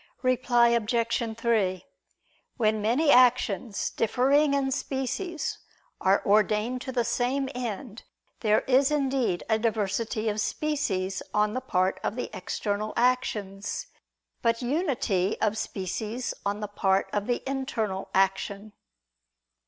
Reply Obj. 3: When many actions, differing in species, are ordained to the same end, there is indeed a diversity of species on the part of the external actions; but unity of species on the part of the internal action.